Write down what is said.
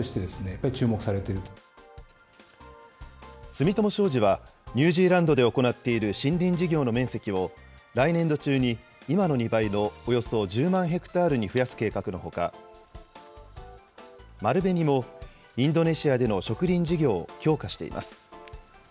住友商事は、ニュージーランドで行っている森林事業の面積を来年度中に今の２倍のおよそ１０万ヘクタールに増やす計画のほか、丸紅もインドネシアでの植林事業を強化しています。